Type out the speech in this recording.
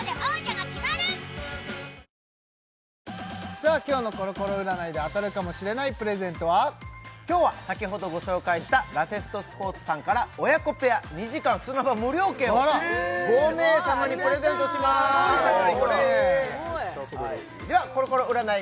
さあ今日のコロコロ占いで当たるかもしれないプレゼントは今日は先ほどご紹介したＬＡＴＴＥＳＴＳＰＯＲＴＳさんから親子ペア２時間砂場無料券を５名様にプレゼントしまーすではコロコロ占い